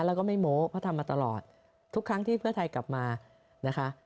แล้วก็ไม่โม้เพราะทำมาตลอดทุกครั้งที่เพื่อไทยกลับมานะคะ